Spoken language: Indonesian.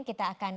kita akan lihat